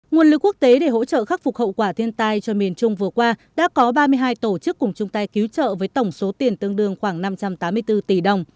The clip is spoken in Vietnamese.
nguồn lực quốc tế để hỗ trợ khắc phục hậu quả thiên tai cho miền trung vừa qua đã có ba mươi hai tổ chức cùng chung tay cứu trợ với tổng số tiền tương đương khoảng năm trăm tám mươi bốn tỷ đồng